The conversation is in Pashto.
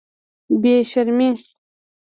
بې شرمې.